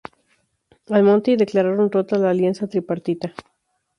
Almonte y declaran rota la alianza tripartita.